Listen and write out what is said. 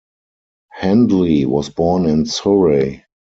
Hendley was born in Surrey.